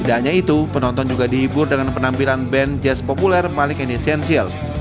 tidak hanya itu penonton juga dihibur dengan penampilan band jazz populer malik enestials